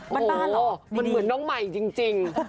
มันเหมือนน้องใหม่จริง